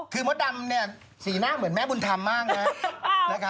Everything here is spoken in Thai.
คือมดดำสีหน้าเหมือนแม่บุญธรรมมากนะ